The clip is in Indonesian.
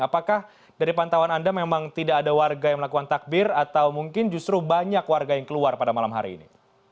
apakah dari pantauan anda memang tidak ada warga yang melakukan takbir atau mungkin justru banyak warga yang keluar pada malam hari ini